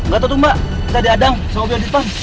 gak tau tuh mbak kita diadang sama pion di depan